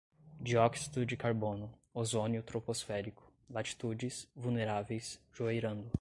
dióxido de carbono, ozônio troposférico, latitudes, vulneráveis, joeirando